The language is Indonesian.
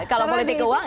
kalau politik uang